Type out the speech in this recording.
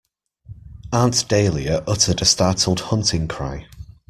Aunt Dahlia uttered a startled hunting cry.